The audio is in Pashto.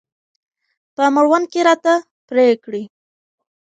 په مړوند کې راته پرې کړي.